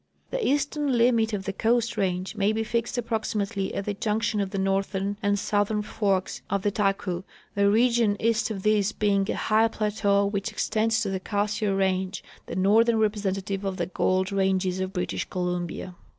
The eastern limit of the Coast range may be fixed approxi matel}^ at the junction of the northern and southern forks of the Taku, the region east of this being a high plateau which extends to the Cassiar range, the northern representative of the Gold ranges of British Columbia.